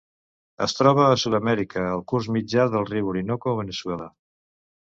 Es troba a Sud-amèrica: el curs mitjà del riu Orinoco a Veneçuela.